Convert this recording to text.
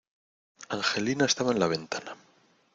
Angelina estaba en la ventana.